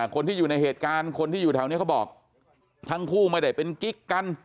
คนที่อยู่ในเหตุการณ์คนที่อยู่แถวนี้เขาบอกทั้งคู่ไม่ได้เป็นกิ๊กกัน